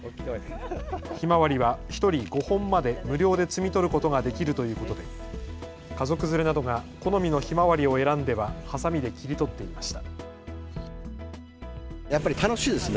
ひまわりは１人５本まで無料で摘み取ることができるということで家族連れなどが好みのひまわりを選んでははさみで切り取っていました。